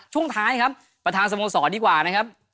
ช่วงท้ายครับประธานสโมสรดีกว่านะครับ